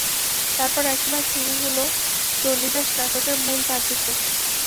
তারপর একসময় শুরু হলো চণ্ডীদাস নাটকের মূল কার্যক্রম।